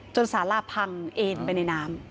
จนสาลาริมน้ำพังเอ็นไปในน้ำ